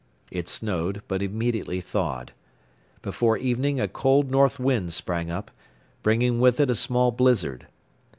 It snowed but immediately thawed. Before evening a cold north wind sprang up, bringing with it a small blizzard.